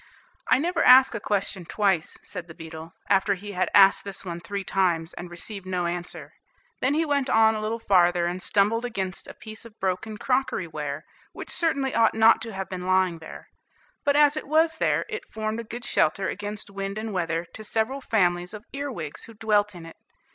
"I never ask a question twice," said the beetle, after he had asked this one three times, and received no answer. Then he went on a little farther and stumbled against a piece of broken crockery ware, which certainly ought not to have been lying there. But as it was there, it formed a good shelter against wind and weather to several families of earwigs who dwelt in it.